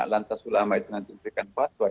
lantas ulama itu nanti memberikan fatwa